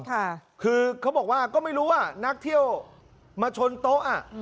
ค่ะคือเขาบอกว่าก็ไม่รู้ว่านักเที่ยวมาชนโต๊ะอ่ะ